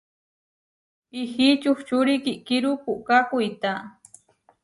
Ihí čučuri kiʼkíru puʼká kuitá.